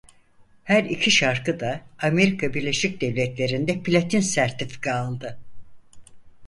Her iki şarkı da Amerika Birleşik Devletleri'nde platin sertifika aldı.